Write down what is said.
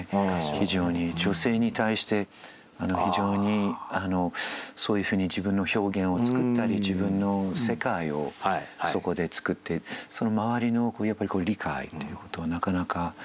非常に女性に対して非常にそういうふうに自分の表現を作ったり自分の世界をそこで作ってその周りの理解ということをなかなか得られなかった。